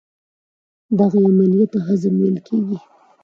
دغې عملیې ته هضم ویل کېږي.